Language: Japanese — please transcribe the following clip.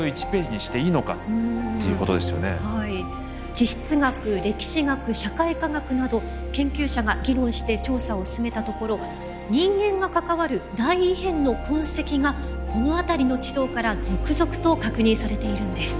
地質学歴史学社会科学など研究者が議論して調査を進めたところ人間が関わる大異変の痕跡がこの辺りの地層から続々と確認されているんです。